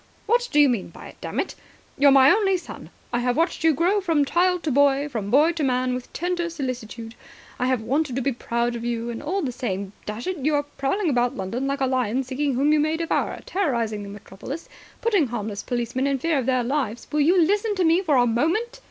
"What do you mean by it, damn it? You're my only son. I have watched you grow from child to boy, from boy to man, with tender solicitude. I have wanted to be proud of you. And all the time, dash it, you are prowling about London like a lion, seeking whom you may devour, terrorising the metropolis, putting harmless policemen in fear of their lives. .." "Will you listen to me for a moment?"